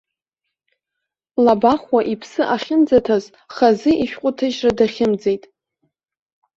Лабахәуа иԥсы ахьынӡаҭаз хазы ишәҟәы аҭыжьра дахьымӡеит.